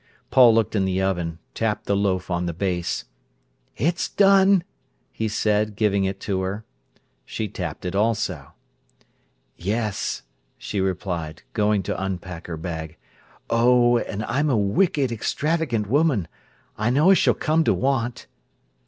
Paul looked in the oven; tapped the loaf on the base. "It's done," he said, giving it to her. She tapped it also. "Yes," she replied, going to unpack her bag. "Oh, and I'm a wicked, extravagant woman. I know I s'll come to want."